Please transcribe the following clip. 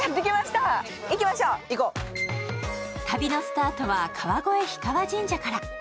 旅のスタートは川越氷川神社から。